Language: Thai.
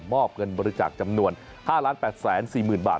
อบเงินบริจาคจำนวน๕๘๔๐๐๐บาท